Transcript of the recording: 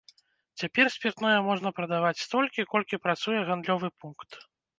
Цяпер спіртное можна прадаваць столькі, колькі працуе гандлёвы пункт.